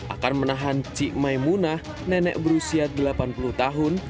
akan menahan cik maimunah nenek berusia delapan puluh tahun